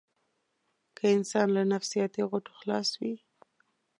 که انسان له نفسياتي غوټو خلاص وي.